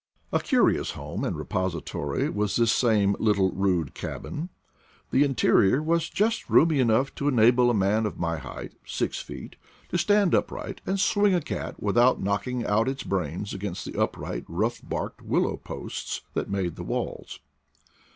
A curious home and repository was this same little rude cabin. The interior was just roomy enough to enable a man of my height (six feet) to stand upright and swing a cat in without knock ing out its brains against the upright rough barked willow posts that made the walls.